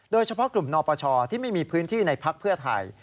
โดยเฉพาะกลุ่มนปชที่ไม่มีพื้นที่ในพักเพื่อไทย